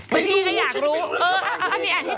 เมื่อกี้ไงอยากรู้